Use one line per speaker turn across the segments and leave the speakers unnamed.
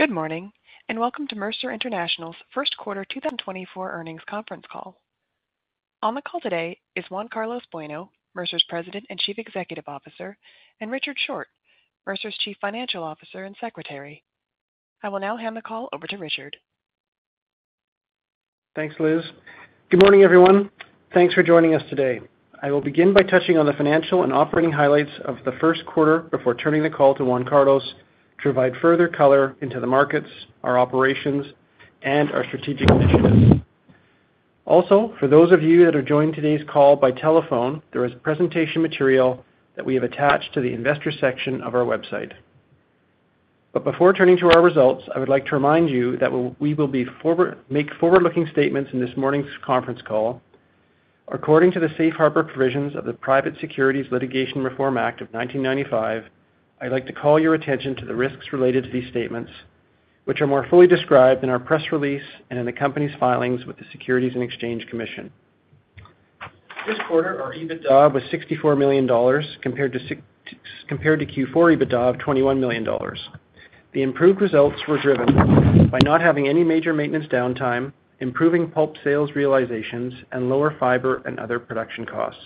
Good morning and welcome to Mercer International's first quarter 2024 earnings conference call. On the call today is Juan Carlos Bueno, Mercer's President and Chief Executive Officer, and Richard Short, Mercer's Chief Financial Officer and Secretary. I will now hand the call over to Richard.
Thanks, Liz. Good morning, everyone. Thanks for joining us today. I will begin by touching on the financial and operating highlights of the first quarter before turning the call to Juan Carlos to provide further color into the markets, our operations, and our strategic initiatives. Also, for those of you that are joining today's call by telephone, there is presentation material that we have attached to the investor section of our website. But before turning to our results, I would like to remind you that we will be making forward-looking statements in this morning's conference call. According to the Safe Harbor provisions of the Private Securities Litigation Reform Act of 1995, I'd like to call your attention to the risks related to these statements, which are more fully described in our press release and in the company's filings with the Securities and Exchange Commission. This quarter, our EBITDA was $64 million compared to Q4 EBITDA of $21 million. The improved results were driven by not having any major maintenance downtime, improving pulp sales realizations, and lower fiber and other production costs.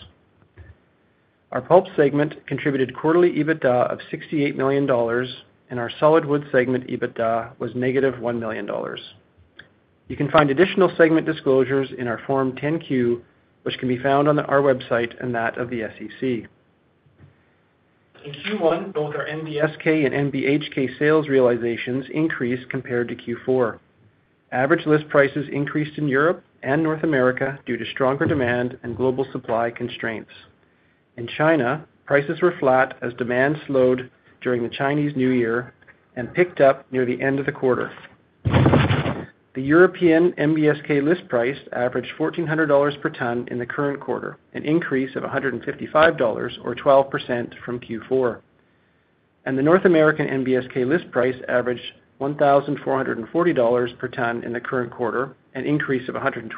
Our pulp segment contributed quarterly EBITDA of $68 million, and our solid wood segment EBITDA was negative $1 million. You can find additional segment disclosures in our Form 10-Q, which can be found on our website and that of the SEC. In Q1, both our NBSK and NBHK sales realizations increased compared to Q4. Average list prices increased in Europe and North America due to stronger demand and global supply constraints. In China, prices were flat as demand slowed during the Chinese New Year and picked up near the end of the quarter. The European NBSK list price averaged $1,400 per ton in the current quarter, an increase of $155 or 12% from Q4. The North American NBSK list price averaged $1,440 per ton in the current quarter, an increase of $128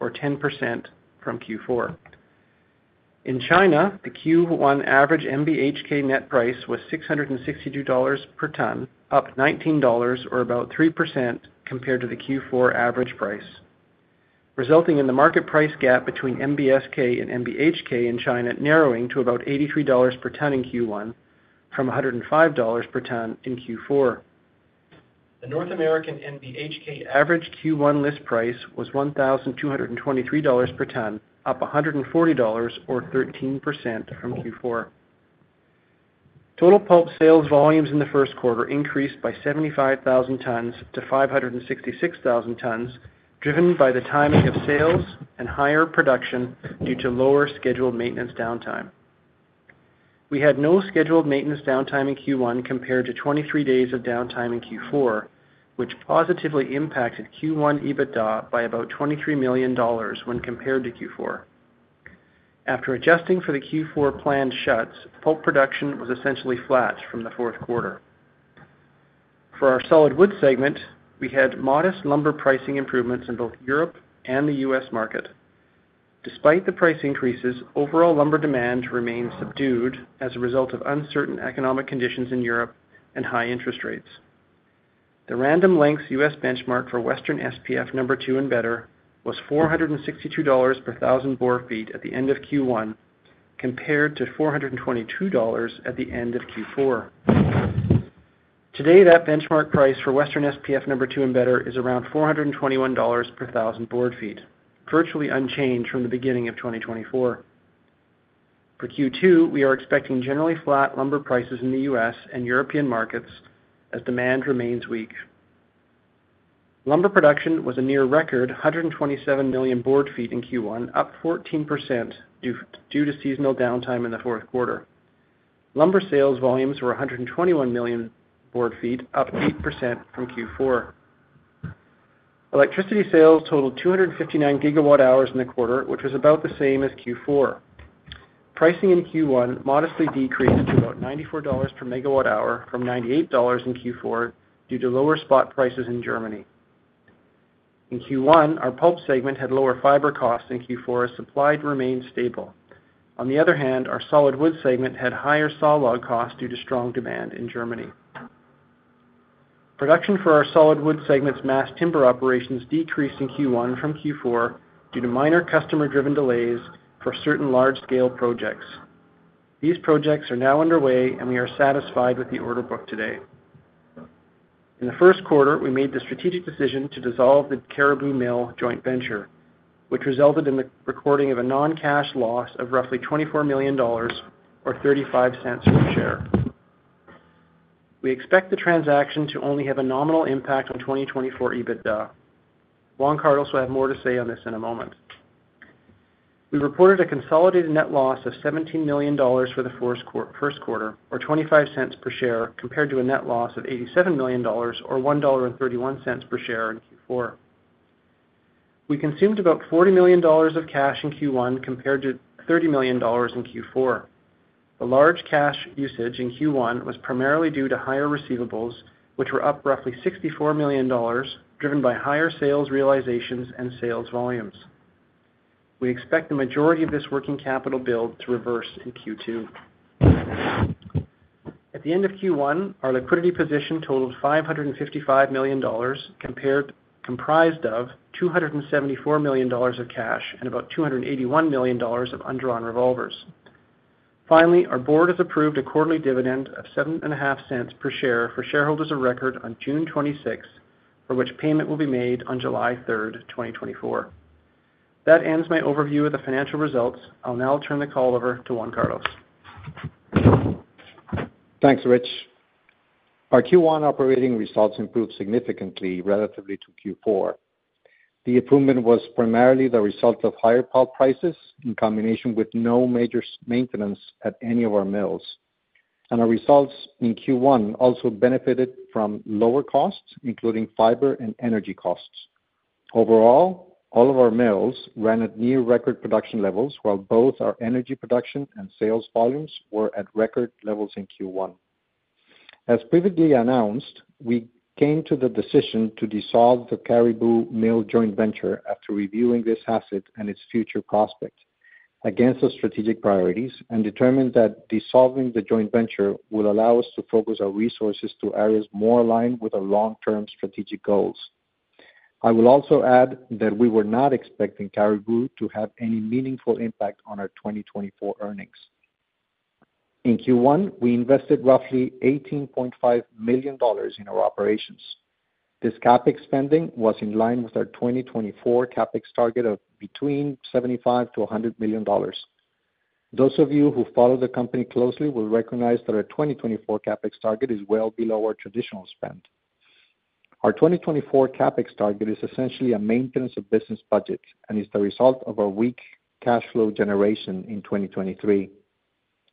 or 10% from Q4. In China, the Q1 average NBHK net price was $662 per ton, up $19 or about 3% compared to the Q4 average price, resulting in the market price gap between NBSK and NBHK in China narrowing to about $83 per ton in Q1 from $105 per ton in Q4. The North American NBHK average Q1 list price was $1,223 per ton, up $140 or 13% from Q4. Total pulp sales volumes in the first quarter increased by 75,000 tons to 566,000 tons, driven by the timing of sales and higher production due to lower scheduled maintenance downtime. We had no scheduled maintenance downtime in Q1 compared to 23 days of downtime in Q4, which positively impacted Q1 EBITDA by about $23 million when compared to Q4. After adjusting for the Q4 planned shuts, pulp production was essentially flat from the fourth quarter. For our solid wood segment, we had modest lumber pricing improvements in both Europe and the U.S. market. Despite the price increases, overall lumber demand remained subdued as a result of uncertain economic conditions in Europe and high interest rates. The random lengths U.S. benchmark for Western SPF number two and better was $462 per 1,000 board feet at the end of Q1 compared to $422 at the end of Q4. Today, that benchmark price for Western SPF number two and better is around $421 per 1,000 board feet, virtually unchanged from the beginning of 2024. For Q2, we are expecting generally flat lumber prices in the U.S. and European markets as demand remains weak. Lumber production was a near-record 127 million board feet in Q1, up 14% due to seasonal downtime in the fourth quarter. Lumber sales volumes were 121 million board feet, up 8% from Q4. Electricity sales totaled 259 GWh in the quarter, which was about the same as Q4. Pricing in Q1 modestly decreased to about $94 per MWh from $98 in Q4 due to lower spot prices in Germany. In Q1, our pulp segment had lower fiber costs than Q4 as supply remained stable. On the other hand, our solid wood segment had higher saw log costs due to strong demand in Germany. Production for our solid wood segment's mass timber operations decreased in Q1 from Q4 due to minor customer-driven delays for certain large-scale projects. These projects are now underway, and we are satisfied with the order book today. In the first quarter, we made the strategic decision to dissolve the Cariboo Pulp & Paper joint venture, which resulted in the recording of a non-cash loss of roughly $24 million or $0.35 per share. We expect the transaction to only have a nominal impact on 2024 EBITDA. Juan Carlos will have more to say on this in a moment. We reported a consolidated net loss of $17 million for the first quarter or $0.25 per share compared to a net loss of $87 million or $1.31 per share in Q4. We consumed about $40 million of cash in Q1 compared to $30 million in Q4. The large cash usage in Q1 was primarily due to higher receivables, which were up roughly $64 million, driven by higher sales realizations and sales volumes. We expect the majority of this working capital build to reverse in Q2. At the end of Q1, our liquidity position totaled $555 million comprised of $274 million of cash and about $281 million of undrawn revolvers. Finally, our board has approved a quarterly dividend of $0.075 per share for shareholders of record on June 26th, for which payment will be made on July 3rd, 2024. That ends my overview of the financial results. I'll now turn the call over to Juan Carlos.
Thanks, Rich. Our Q1 operating results improved significantly relative to Q4. The improvement was primarily the result of higher pulp prices in combination with no major maintenance at any of our mills. Our results in Q1 also benefited from lower costs, including fiber and energy costs. Overall, all of our mills ran at near-record production levels, while both our energy production and sales volumes were at record levels in Q1. As previously announced, we came to the decision to dissolve the Cariboo Mill joint venture after reviewing this asset and its future prospect against our strategic priorities and determined that dissolving the joint venture will allow us to focus our resources to areas more aligned with our long-term strategic goals. I will also add that we were not expecting Cariboo to have any meaningful impact on our 2024 earnings. In Q1, we invested roughly $18.5 million in our operations. This CapEx spending was in line with our 2024 CapEx target of between $75 mllion-$100 million. Those of you who follow the company closely will recognize that our 2024 CapEx target is well below our traditional spend. Our 2024 CapEx target is essentially a maintenance of business budget and is the result of our weak cash flow generation in 2023.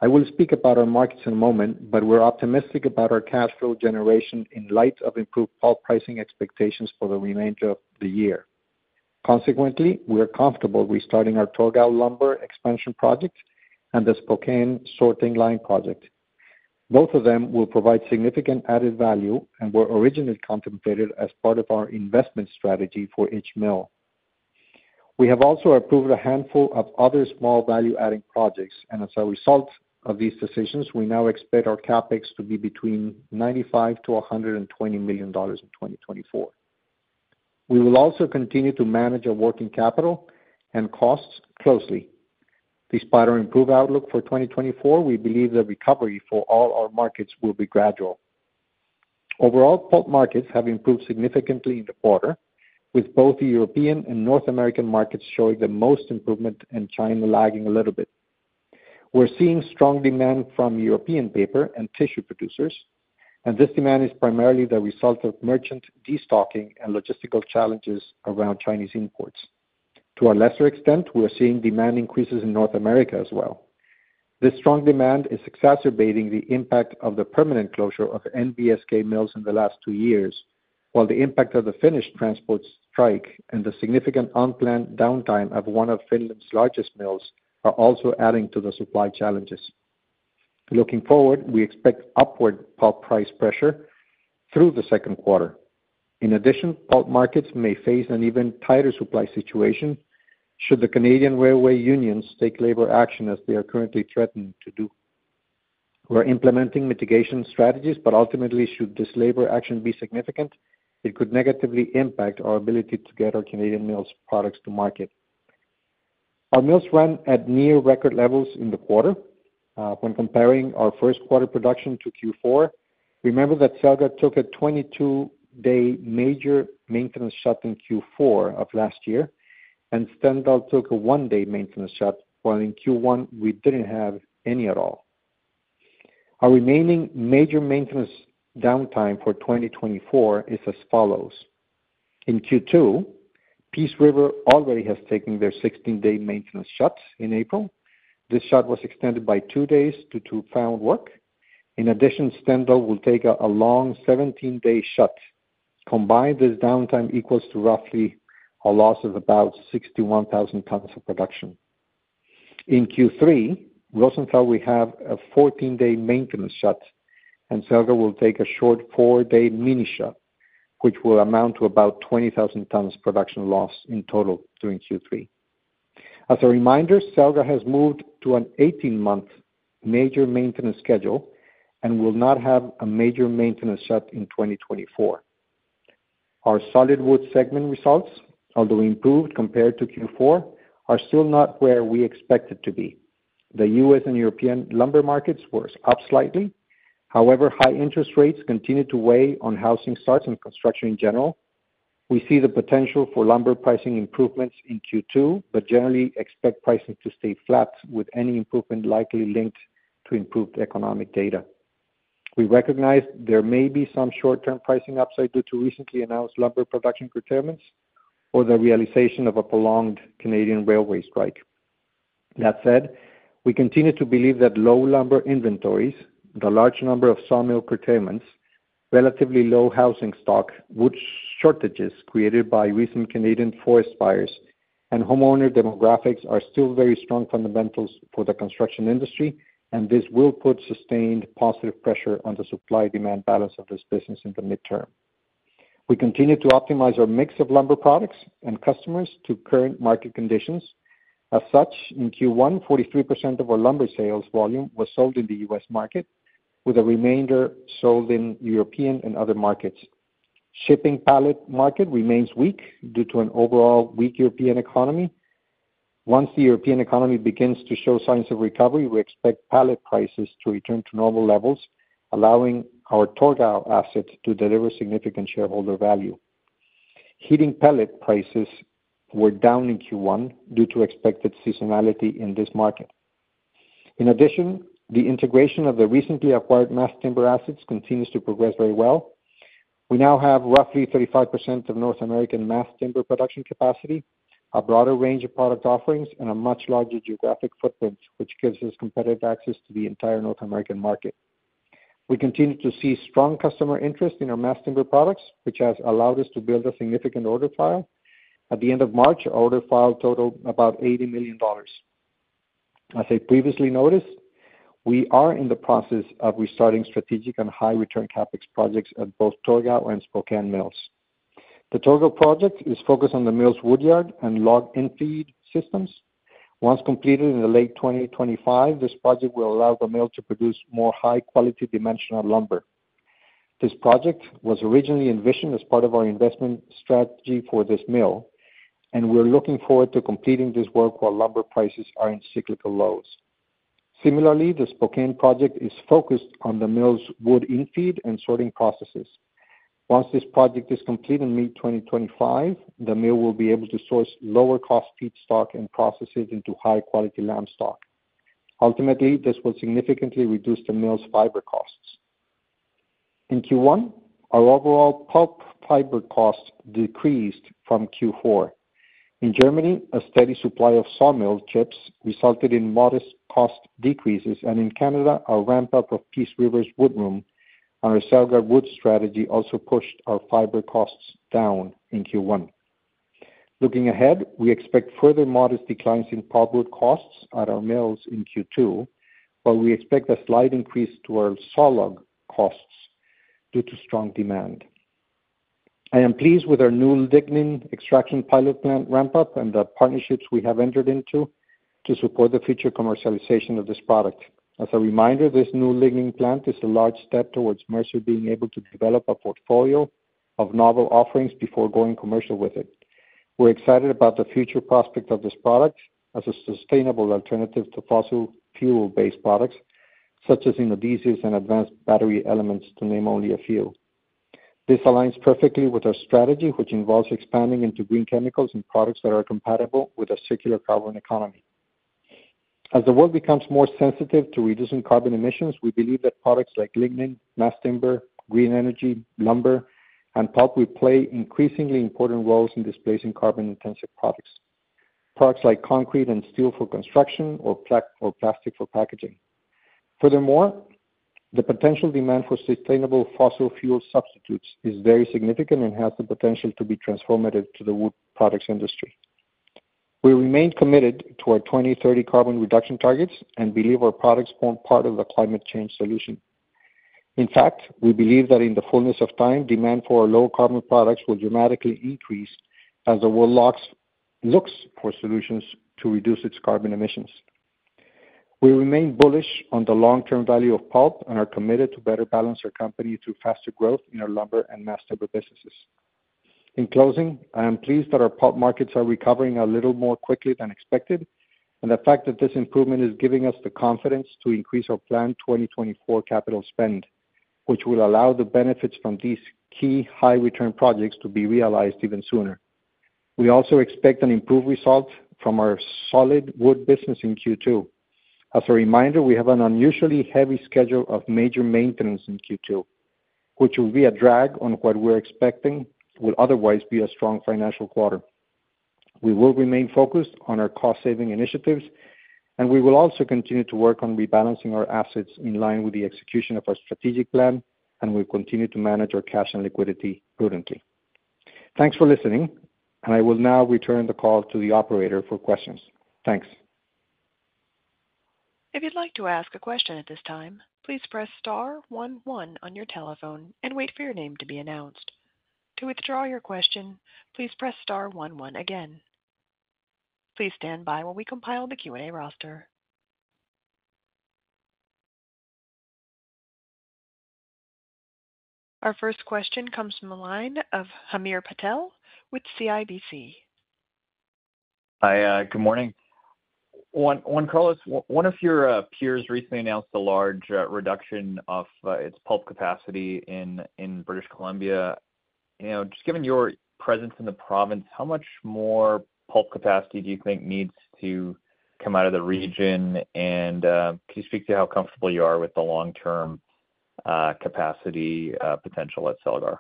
I will speak about our markets in a moment, but we're optimistic about our cash flow generation in light of improved pulp pricing expectations for the remainder of the year. Consequently, we are comfortable restarting our Torgau lumber expansion project and the Spokane sorting line project. Both of them will provide significant added value and were originally contemplated as part of our investment strategy for each mill. We have also approved a handful of other small value-adding projects, and as a result of these decisions, we now expect our CapEx to be between $95 million-$120 million in 2024. We will also continue to manage our working capital and costs closely. Despite our improved outlook for 2024, we believe the recovery for all our markets will be gradual. Overall, pulp markets have improved significantly in the quarter, with both the European and North American markets showing the most improvement and China lagging a little bit. We're seeing strong demand from European paper and tissue producers, and this demand is primarily the result of merchant destocking and logistical challenges around Chinese imports. To a lesser extent, we're seeing demand increases in North America as well. This strong demand is exacerbating the impact of the permanent closure of NBSK mills in the last two years, while the impact of the Finnish transport strike and the significant unplanned downtime of one of Finland's largest mills are also adding to the supply challenges. Looking forward, we expect upward pulp price pressure through the second quarter. In addition, pulp markets may face an even tighter supply situation should the Canadian Railway Union take labor action as they are currently threatened to do. We're implementing mitigation strategies, but ultimately, should this labor action be significant, it could negatively impact our ability to get our Canadian mills' products to market. Our mills ran at near-record levels in the quarter. When comparing our first quarter production to Q4, remember that Celgar took a 22-day major maintenance shut in Q4 of last year, and Stendal took a one-day maintenance shut while in Q1 we didn't have any at all. Our remaining major maintenance downtime for 2024 is as follows. In Q2, Peace River already has taken their 16-day maintenance shut in April. This shut was extended by 2 days due to found work. In addition, Stendal will take a long 17-day shut. Combined, this downtime equals to roughly a loss of about 61,000 tons of production. In Q3, Rosenthal will have a 14-day maintenance shut, and Celgar will take a short four-day mini shut, which will amount to about 20,000 tons production loss in total during Q3. As a reminder, Celgar has moved to an 18-month major maintenance schedule and will not have a major maintenance shut in 2024. Our solid wood segment results, although improved compared to Q4, are still not where we expected to be. The U.S. and European lumber markets were up slightly. However, high interest rates continue to weigh on housing starts and construction in general. We see the potential for lumber pricing improvements in Q2 but generally expect pricing to stay flat with any improvement likely linked to improved economic data. We recognize there may be some short-term pricing upside due to recently announced lumber production curtailments or the realization of a prolonged Canadian railway strike. That said, we continue to believe that low lumber inventories, the large number of sawmill curtailments, relatively low housing stock, wood shortages created by recent Canadian forest fires, and homeowner demographics are still very strong fundamentals for the construction industry, and this will put sustained positive pressure on the supply-demand balance of this business in the midterm. We continue to optimize our mix of lumber products and customers to current market conditions. As such, in Q1, 43% of our lumber sales volume was sold in the U.S. market, with the remainder sold in European and other markets. Shipping pallet market remains weak due to an overall weak European economy. Once the European economy begins to show signs of recovery, we expect pallet prices to return to normal levels, allowing our Torgau asset to deliver significant shareholder value. Heating pallet prices were down in Q1 due to expected seasonality in this market. In addition, the integration of the recently acquired mass timber assets continues to progress very well. We now have roughly 35% of North American mass timber production capacity, a broader range of product offerings, and a much larger geographic footprint, which gives us competitive access to the entire North American market. We continue to see strong customer interest in our mass timber products, which has allowed us to build a significant order file. At the end of March, our order file totaled about $80 million. As I previously noticed, we are in the process of restarting strategic and high-return CapEx projects at both Torgau and Spokane mills. The Torgau project is focused on the mill's woodyard and log infeed systems. Once completed in the late 2025, this project will allow the mill to produce more high-quality dimensional lumber. This project was originally envisioned as part of our investment strategy for this mill, and we're looking forward to completing this work while lumber prices are in cyclical lows. Similarly, the Spokane project is focused on the mill's wood infeed and sorting processes. Once this project is complete in mid-2025, the mill will be able to source lower-cost feed stock and process it into high-quality Lamstock. Ultimately, this will significantly reduce the mill's fiber costs. In Q1, our overall pulp fiber cost decreased from Q4. In Germany, a steady supply of sawmill chips resulted in modest cost decreases, and in Canada, our ramp-up of Peace River's woodroom and our Celgar wood strategy also pushed our fiber costs down in Q1. Looking ahead, we expect further modest declines in pulp wood costs at our mills in Q2, while we expect a slight increase to our saw log costs due to strong demand. I am pleased with our new Lignin extraction pilot plant ramp-up and the partnerships we have entered into to support the future commercialization of this product. As a reminder, this new Lignin plant is a large step towards Mercer being able to develop a portfolio of novel offerings before going commercial with it. We're excited about the future prospect of this product as a sustainable alternative to fossil fuel-based products such as adhesives and advanced battery elements to name only a few. This aligns perfectly with our strategy, which involves expanding into green chemicals and products that are compatible with a circular carbon economy. As the world becomes more sensitive to reducing carbon emissions, we believe that products like Lignin, mass timber, green energy, lumber, and pulp will play increasingly important roles in displacing carbon-intensive products, products like concrete and steel for construction or plastic for packaging. Furthermore, the potential demand for sustainable fossil fuel substitutes is very significant and has the potential to be transformative to the wood products industry. We remain committed to our 2030 carbon reduction targets and believe our products form part of the climate change solution. In fact, we believe that in the fullness of time, demand for our low-carbon products will dramatically increase as the world looks for solutions to reduce its carbon emissions. We remain bullish on the long-term value of pulp and are committed to better balance our company through faster growth in our lumber and mass timber businesses. In closing, I am pleased that our pulp markets are recovering a little more quickly than expected and the fact that this improvement is giving us the confidence to increase our planned 2024 capital spend, which will allow the benefits from these key high-return projects to be realized even sooner. We also expect an improved result from our solid wood business in Q2. As a reminder, we have an unusually heavy schedule of major maintenance in Q2, which will be a drag on what we're expecting will otherwise be a strong financial quarter. We will remain focused on our cost-saving initiatives, and we will also continue to work on rebalancing our assets in line with the execution of our strategic plan, and we'll continue to manage our cash and liquidity prudently. Thanks for listening, and I will now return the call to the operator for questions. Thanks.
If you'd like to ask a question at this time, please press star one one on your telephone and wait for your name to be announced. To withdraw your question, please press star 11 again. Please stand by while we compile the Q&A roster. Our first question comes from a line of Hamir Patel with CIBC.
Hi, good morning. Juan Carlos, one of your peers recently announced a large reduction of its pulp capacity in British Columbia. Just given your presence in the province, how much more pulp capacity do you think needs to come out of the region, and can you speak to how comfortable you are with the long-term capacity potential at Celgar?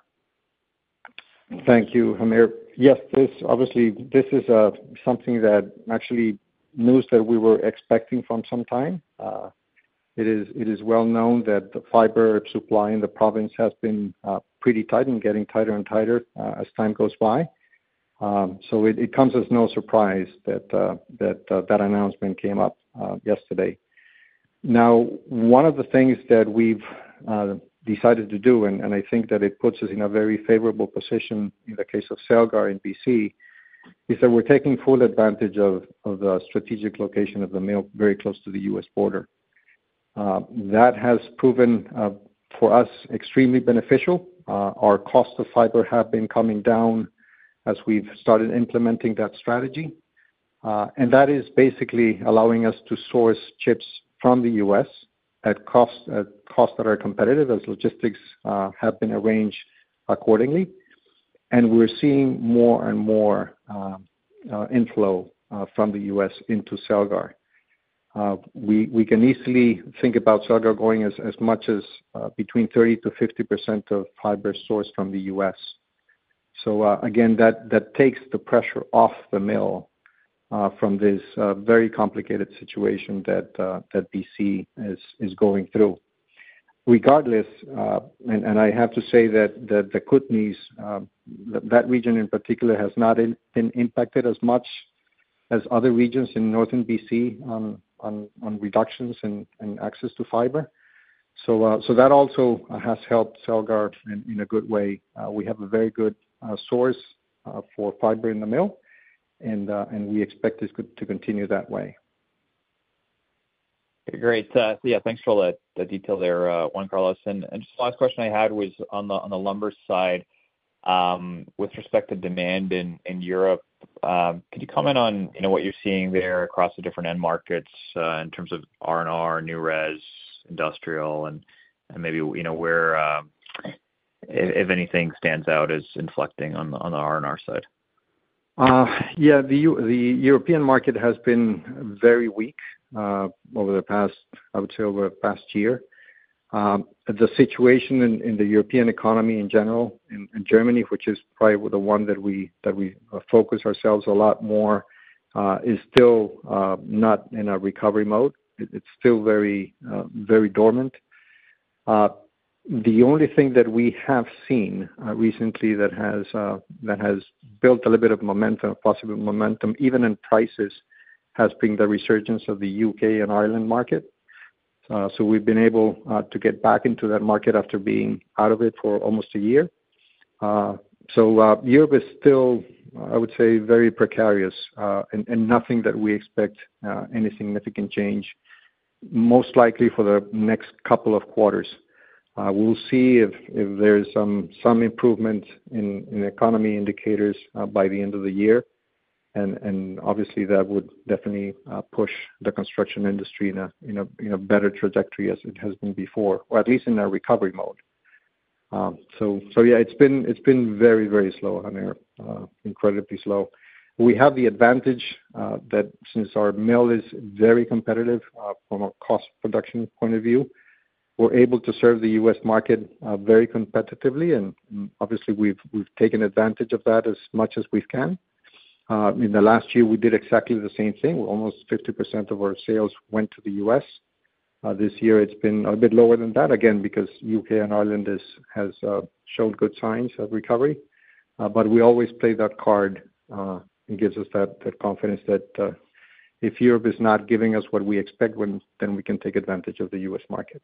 Thank you, Hamir. Yes, obviously, this is something that actually news that we were expecting from some time. It is well known that the fiber supply in the province has been pretty tight and getting tighter and tighter as time goes by. So it comes as no surprise that that announcement came up yesterday. Now, one of the things that we've decided to do, and I think that it puts us in a very favorable position in the case of Celgar in BC, is that we're taking full advantage of the strategic location of the mill very close to the U.S. border. That has proven for us extremely beneficial. Our cost of fiber has been coming down as we've started implementing that strategy, and that is basically allowing us to source chips from the U.S. at costs that are competitive as logistics have been arranged accordingly. And we're seeing more and more inflow from the U.S. into Celgar. We can easily think about Celgar going as much as between 30%-50% of fiber sourced from the U.S. So again, that takes the pressure off the mill from this very complicated situation that BC is going through. Regardless, and I have to say that the Kootenays, that region in particular, has not been impacted as much as other regions in northern BC on reductions and access to fiber. So that also has helped Celgar in a good way. We have a very good source for fiber in the mill, and we expect this to continue that way.
Great. So yeah, thanks for all the detail there, Juan Carlos. And just the last question I had was on the lumber side. With respect to demand in Europe, could you comment on what you're seeing there across the different end markets in terms of R&R, new res, industrial, and maybe where, if anything, stands out as inflecting on the R&R side?
Yeah, the European market has been very weak over the past I would say over the past year. The situation in the European economy in general in Germany, which is probably the one that we focus ourselves a lot more, is still not in a recovery mode. It's still very dormant. The only thing that we have seen recently that has built a little bit of momentum, possible momentum even in prices, has been the resurgence of the UK and Ireland market. So we've been able to get back into that market after being out of it for almost a year. So Europe is still, I would say, very precarious and nothing that we expect any significant change, most likely for the next couple of quarters. We'll see if there's some improvement in economic indicators by the end of the year, and obviously, that would definitely push the construction industry in a better trajectory as it has been before, or at least in a recovery mode. So yeah, it's been very, very slow, Hamir, incredibly slow. We have the advantage that since our mill is very competitive from a cost production point of view, we're able to serve the U.S. market very competitively, and obviously, we've taken advantage of that as much as we can. In the last year, we did exactly the same thing. Almost 50% of our sales went to the U.S. This year, it's been a bit lower than that, again, because U.K. and Ireland has shown good signs of recovery. But we always play that card. It gives us that confidence that if Europe is not giving us what we expect, then we can take advantage of the U.S. market.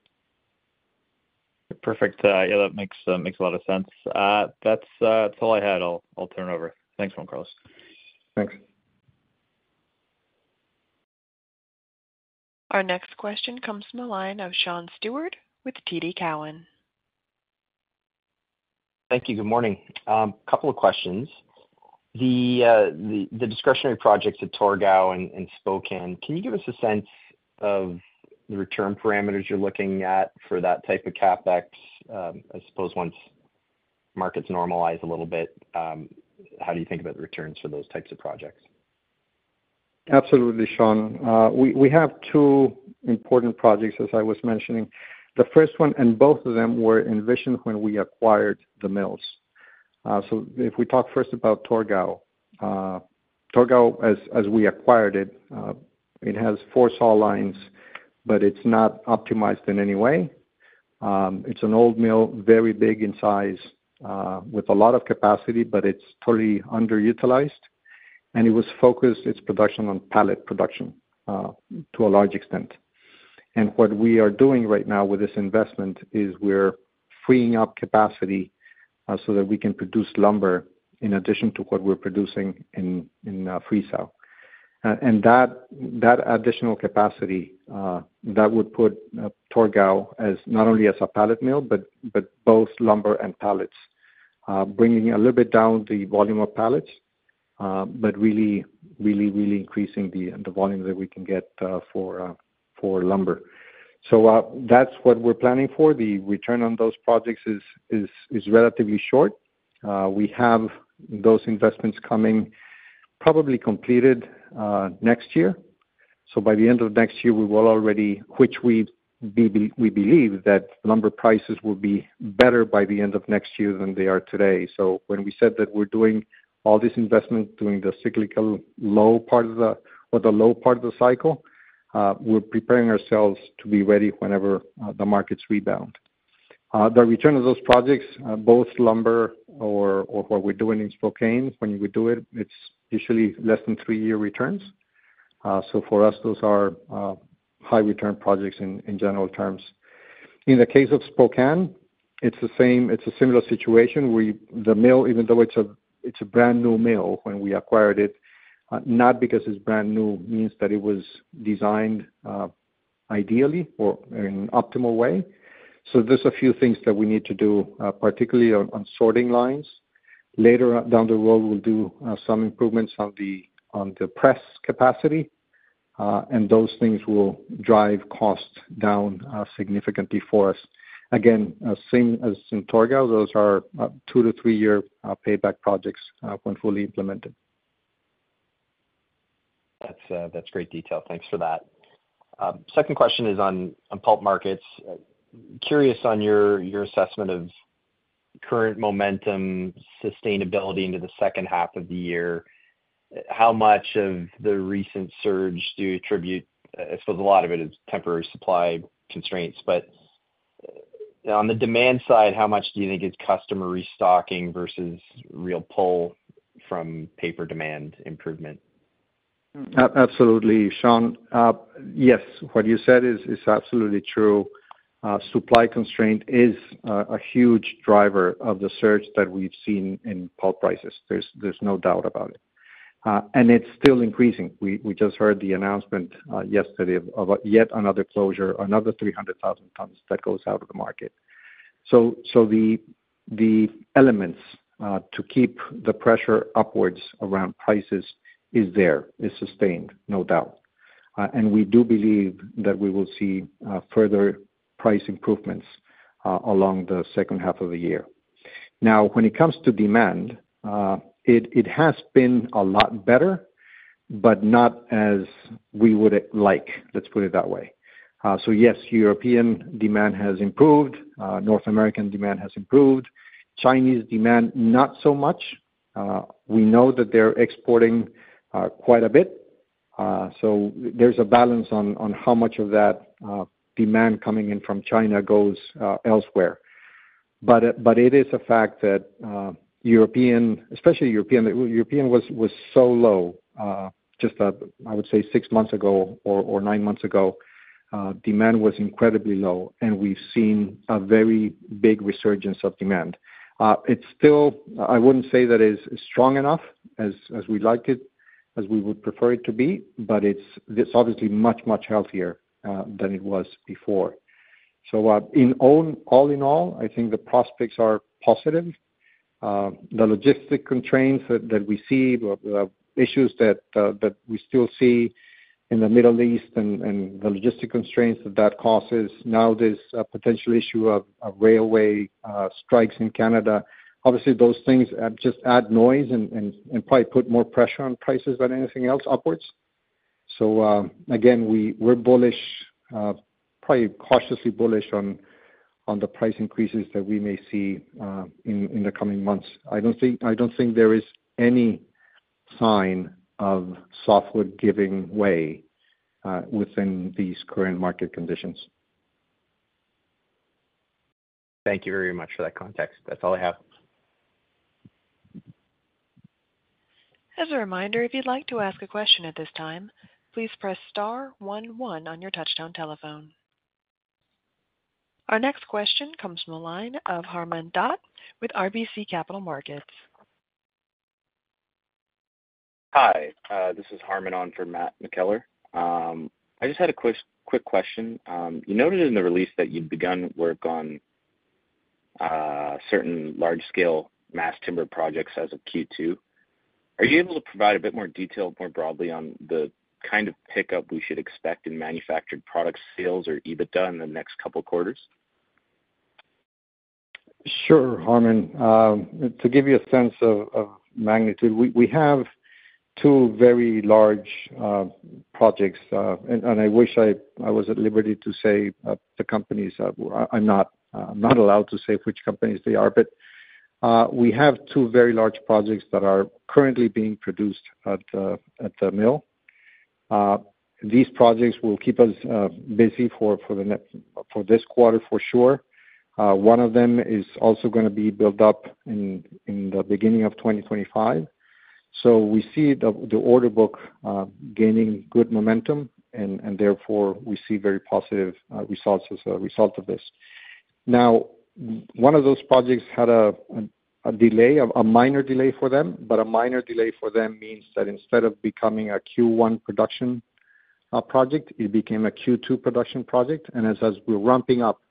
Perfect. Yeah, that makes a lot of sense. That's all I had. I'll turn over. Thanks, Juan Carlos.
Thanks.
Our next question comes from a line of Sean Steuart with TD Cowen.
Thank you. Good morning. A couple of questions. The discretionary projects at Torgau and Spokane, can you give us a sense of the return parameters you're looking at for that type of CapEx? I suppose once markets normalize a little bit, how do you think about the returns for those types of projects? Absolutely, Sean. We have two important projects, as I was mentioning. The first one and both of them were envisioned when we acquired the mills. So if we talk first about Torgau, Torgau, as we acquired it, it has four saw lines, but it's not optimized in any way. It's an old mill, very big in size with a lot of capacity, but it's totally underutilized. And it was focused its production on pallet production to a large extent. What we are doing right now with this investment is we're freeing up capacity so that we can produce lumber in addition to what we're producing in Friesau. And that additional capacity, that would put Torgau not only as a pallet mill, but both lumber and pallets, bringing a little bit down the volume of pallets, but really, really, really increasing the volume that we can get for lumber. So that's what we're planning for. The return on those projects is relatively short. We have those investments coming probably completed next year. So by the end of next year, we will already which we believe that lumber prices will be better by the end of next year than they are today. So when we said that we're doing all this investment during the cyclical low part of the low part of the cycle, we're preparing ourselves to be ready whenever the markets rebound. The return of those projects, both lumber or what we're doing in Spokane, when we do it, it's usually less than three-year returns. So for us, those are high-return projects in general terms. In the case of Spokane, it's a similar situation. The mill, even though it's a brand new mill when we acquired it, not because it's brand new means that it was designed ideally or in an optimal way. So there's a few things that we need to do, particularly on sorting lines. Later down the road, we'll do some improvements on the press capacity, and those things will drive costs down significantly for us.
Again, same as in Torgau, those are two-three year payback projects when fully implemented. That's great detail. Thanks for that. Second question is on pulp markets. Curious on your assessment of current momentum, sustainability into the second half of the year, how much of the recent surge do you attribute I suppose a lot of it is temporary supply constraints. But on the demand side, how much do you think is customer restocking versus real pull from paper demand improvement?
Absolutely, Sean. Yes, what you said is absolutely true. Supply constraint is a huge driver of the surge that we've seen in pulp prices. There's no doubt about it. And it's still increasing. We just heard the announcement yesterday of yet another closure, another 300,000 tons that goes out of the market. So the elements to keep the pressure upwards around prices is there, is sustained, no doubt. And we do believe that we will see further price improvements along the second half of the year. Now, when it comes to demand, it has been a lot better, but not as we would like, let's put it that way. So yes, European demand has improved. North American demand has improved. Chinese demand, not so much. We know that they're exporting quite a bit. So there's a balance on how much of that demand coming in from China goes elsewhere. But it is a fact that European especially European, European was so low just, I would say, six months ago or nine months ago. Demand was incredibly low, and we've seen a very big resurgence of demand. I wouldn't say that it's strong enough as we'd like it, as we would prefer it to be, but it's obviously much, much healthier than it was before. So all in all, I think the prospects are positive. The logistic constraints that we see, the issues that we still see in the Middle East and the logistic constraints that that causes, now this potential issue of railway strikes in Canada, obviously, those things just add noise and probably put more pressure on prices than anything else upwards. So again, we're bullish, probably cautiously bullish on the price increases that we may see in the coming months. I don't think there is any sign of supply giving way within these current market conditions.
Thank you very much for that context. That's all I have.
As a reminder, if you'd like to ask a question at this time, please press star 11 on your touch-tone telephone. Our next question comes from a line of Harman with RBC Capital Markets.
Hi, this is Harman on for Matt McKellar. I just had a quick question. You noted in the release that you'd begun work on certain large-scale mass timber projects as of Q2. Are you able to provide a bit more detail, more broadly, on the kind of pickup we should expect in manufactured product sales or EBITDA in the next couple of quarters?
Sure, Harman. To give you a sense of magnitude, we have two very large projects, and I wish I was at liberty to say the companies. I'm not allowed to say which companies they are, but we have two very large projects that are currently being produced at the mill. These projects will keep us busy for this quarter for sure. One of them is also going to be built up in the beginning of 2025. So we see the order book gaining good momentum, and therefore, we see very positive results as a result of this. Now, one of those projects had a delay, a minor delay for them, but a minor delay for them means that instead of becoming a Q1 production project, it became a Q2 production project. And as we're ramping up,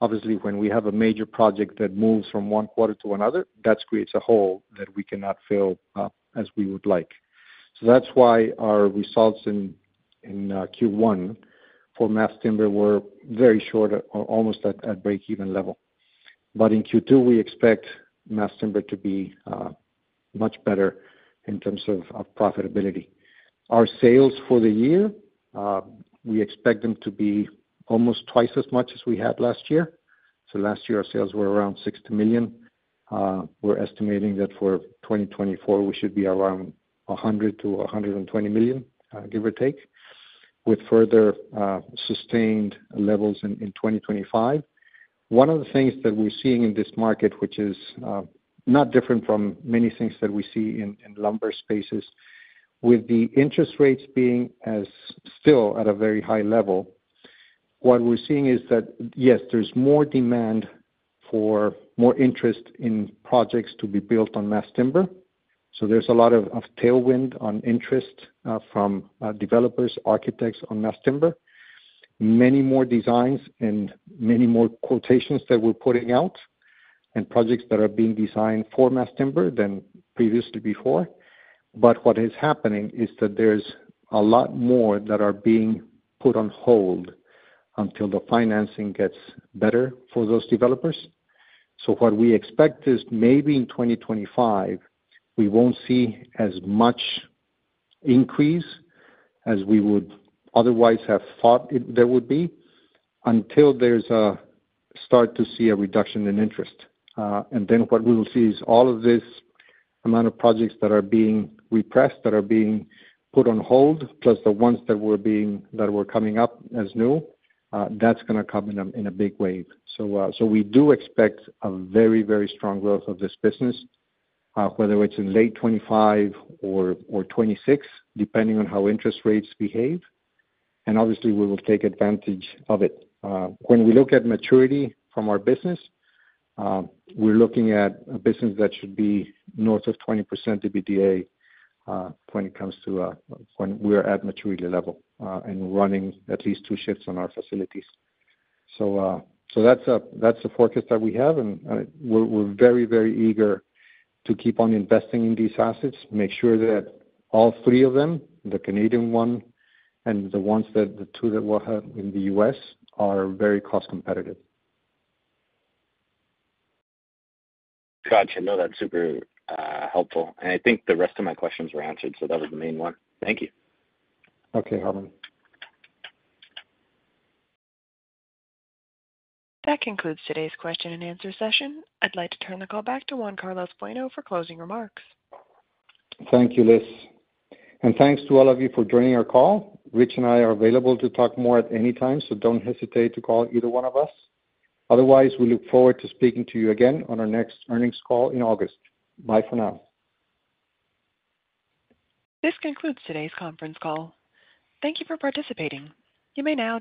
obviously, when we have a major project that moves from one quarter to another, that creates a hole that we cannot fill as we would like. So that's why our results in Q1 for mass timber were very short, almost at breakeven level. But in Q2, we expect mass timber to be much better in terms of profitability. Our sales for the year, we expect them to be almost twice as much as we had last year. So last year, our sales were around $60 million. We're estimating that for 2024, we should be around $100 million-$120 million, give or take, with further sustained levels in 2025. One of the things that we're seeing in this market, which is not different from many things that we see in lumber spaces, with the interest rates being still at a very high level, what we're seeing is that, yes, there's more demand for more interest in projects to be built on mass timber. So there's a lot of tailwind on interest from developers, architects on mass timber, many more designs and many more quotations that we're putting out, and projects that are being designed for mass timber than previously before. But what is happening is that there's a lot more that are being put on hold until the financing gets better for those developers. So what we expect is maybe in 2025, we won't see as much increase as we would otherwise have thought there would be until there's a start to see a reduction in interest. And then what we will see is all of this amount of projects that are being repressed, that are being put on hold, plus the ones that were coming up as new, that's going to come in a big wave. So we do expect a very, very strong growth of this business, whether it's in late 2025 or 2026, depending on how interest rates behave. And obviously, we will take advantage of it. When we look at maturity from our business, we're looking at a business that should be north of 20% EBITDA when it comes to when we're at maturity level and running at least two shifts on our facilities. So that's a forecast that we have, and we're very, very eager to keep on investing in these assets, make sure that all three of them, the Canadian one and the two that we'll have in the U.S., are very cost-competitive.
Gotcha. No, that's super helpful. And I think the rest of my questions were answered, so that was the main one. Thank you.
Okay, Harman.
That concludes today's question and answer session. I'd like to turn the call back to Juan Carlos Bueno for closing remarks.
Thank you, Liz. And thanks to all of you for joining our call. Rich and I are available to talk more at any time, so don't hesitate to call either one of us. Otherwise, we look forward to speaking to you again on our next earnings call in August. Bye for now.
This concludes today's conference call. Thank you for participating. You may now.